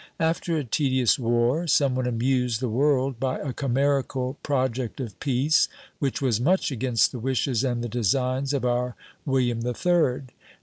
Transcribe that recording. After a tedious war, some one amused the world by a chimerical "Project of Peace," which was much against the wishes and the designs of our William the Third.